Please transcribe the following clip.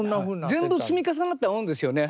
全部積み重なった思うんですよね。